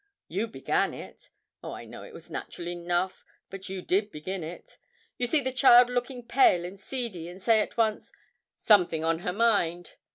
You began it. Oh, I know it was natural enough, but you did begin it. You see the child looking pale and seedy, and say at once, "something on her mind."